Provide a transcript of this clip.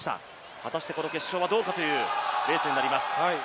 果たして決勝はどうかというレースになります。